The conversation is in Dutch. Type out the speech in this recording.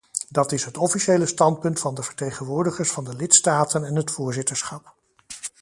Dat is het officiële standpunt van de vertegenwoordigers van de lidstaten en het voorzitterschap.